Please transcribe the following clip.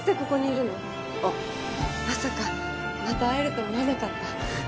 まさかまた会えると思わなかった。